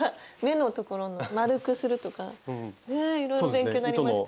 いろいろ勉強になりました。